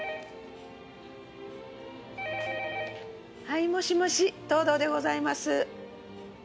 はいもしもし藤堂でございます。